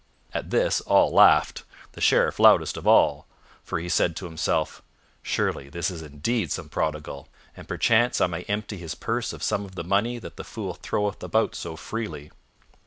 At this all laughed, the Sheriff loudest of all, for he said to himself, "Surely this is indeed some prodigal, and perchance I may empty his purse of some of the money that the fool throweth about so freely."